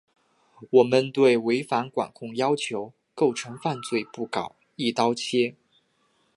我们对违反管控要求构成犯罪不搞‘一刀切’